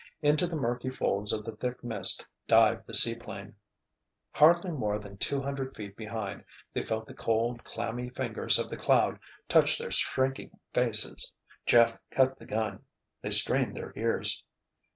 Into the murky folds of the thick mist dived the seaplane. Hardly more than two hundred feet behind, they felt the cold, clammy fingers of the cloud touch their shrinking faces. Jeff cut the gun. They strained their ears.